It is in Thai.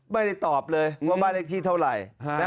ไม่ได้ตอบเลยว่าบ้านเลขที่เท่าไหร่